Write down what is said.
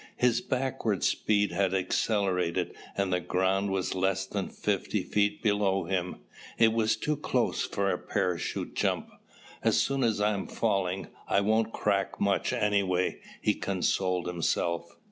His backward speed had accelerated and the ground was less than fifty feet below him. It was too close for a parachute jump. "As slow as I'm falling, I won't crack much, anyway," he consoled himself.